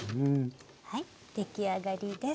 出来上がりです。